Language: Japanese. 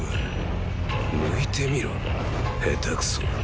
抜いてみろ下手くそ。